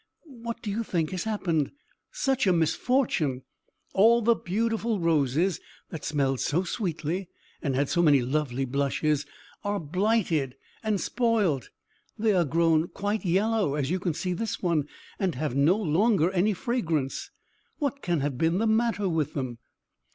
What do you think has happened? Such a misfortune! All the beautiful roses, that smelled so sweetly and had so many lovely blushes, are blighted and spoilt! They are grown quite yellow, as you see this one, and have no longer any fragrance! What can have been the matter with them?"